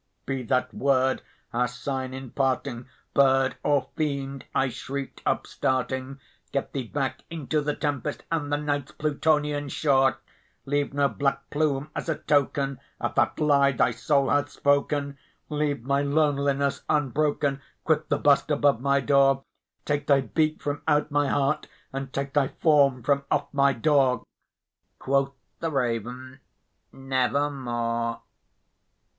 "Be that word our sign in parting, bird or fiend," I shrieked, upstarting "Get thee back into the tempest and the Night's Plutonian shore! Leave no black plume as a token of that lie thy soul hath spoken! Leave my loneliness unbroken! quit the bust above my door! Take thy beak from out my heart, and take thy form from off my door!" Quoth the Raven, "Nevermore."